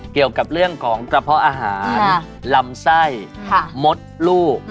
เกี่ยวกับเรื่องของกระเพาะอาหารลำไส้มดลูก